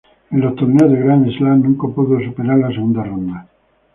En los torneos de Grand Slam nunca pudo superar la segunda ronda.